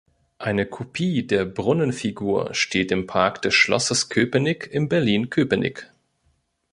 Eine Kopie der Brunnenfigur steht im Park des Schlosses Köpenick in Berlin-Köpenick.